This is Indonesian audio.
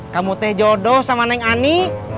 kamu teh jodoh sama neng ani